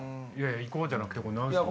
行こうじゃなくて何すか？